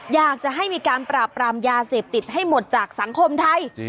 อยากจะให้มีการปราบปรามยาเสพติดให้หมดจากสังคมไทย